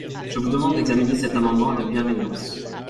Je vous demande d’examiner cet amendement avec bienveillance.